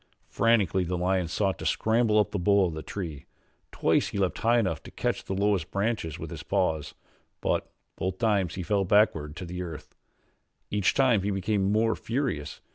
Frantically the lion sought to scramble up the bole of the tree. Twice he leaped high enough to catch the lowest branches with his paws, but both times he fell backward to the earth. Each time he became more furious.